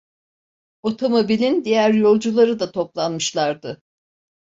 Otomobilin diğer yolcuları da toplanmışlardı.